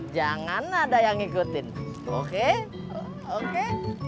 jangan ada yang ngikutin oke oke